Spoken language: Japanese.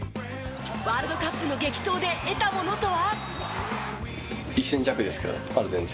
ワールドカップの激闘で得たものとは？